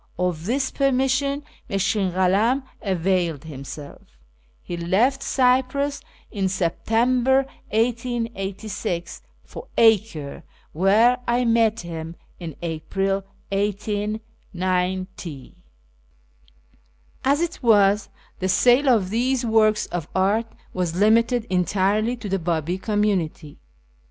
Of this permission Mushkin Kalam availed himself He left Cyprus in September 1886 for Acre where I met him in April 1890. ISFAHAN 209 As it was, the sale of these works of art was limited entirely to the Babi community.